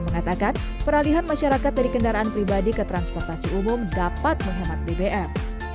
mengatakan peralihan masyarakat dari kendaraan pribadi ke transportasi umum dapat menghemat bbm